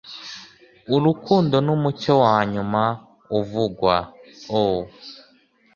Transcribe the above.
Urukundo numucyo wanyuma uvugwa. Oh